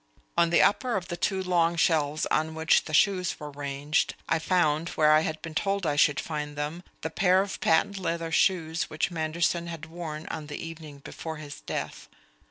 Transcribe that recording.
On the upper of the two long shelves on which the shoes were ranged I found, where I had been told I should find them, the pair of patent leather shoes which Manderson had worn on the evening before his death.